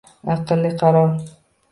Aqlli qaror